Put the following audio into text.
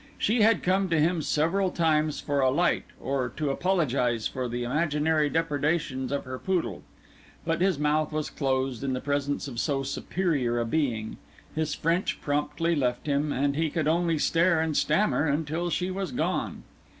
She had come to him several times for a light, or to apologise for the imaginary depredations of her poodle; but his mouth was closed in the presence of so superior a being, his French promptly left him, and he could only stare and stammer until she was gone.